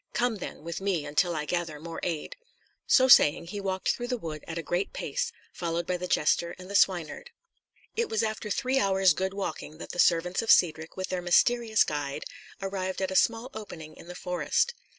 Come, then, with me, until I gather more aid." So saying, he walked through the wood at a great pace, followed by the jester and the swineherd. It was after three hours' good walking that the servants of Cedric, with their mysterious guide, arrived at a small opening in the forest.